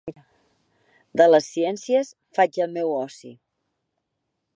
De les ciències faig el meu oci.